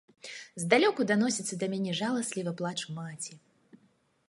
Здалёку даносіцца да мяне жаласлівы плач маці.